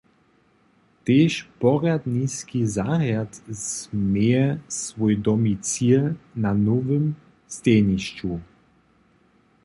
Tež porjadniski zarjad změje swój domicil na nowym stejnišću.